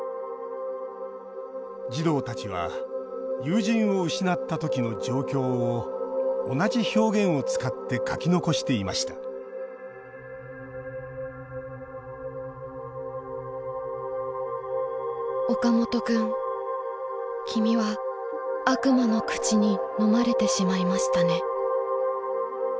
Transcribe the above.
児童たちは友人を失った時の状況を同じ表現を使って書き残していました「岡本君、君は悪魔の口にのまれてしまいましたね」。